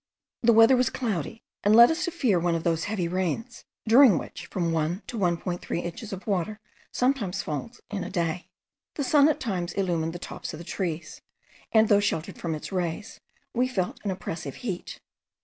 The weather was cloudy, and led us to fear one of those heavy rains, during which from 1 to 1.3 inches of water sometimes falls in a day. The sun at times illumined the tops of the trees; and, though sheltered from its rays, we felt an oppressive heat.